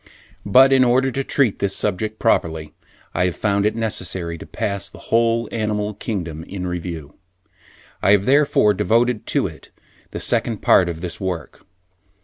But in order to treat this subject properly, I have found it necessary to pass the whole animal kingdom in review. I have therefore devoted to it the Second Part of this work.